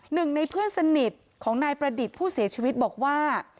หนึ่งในเพื่อนสนิทของนายประดิษฐ์ผู้เสียชีวิตบอกว่า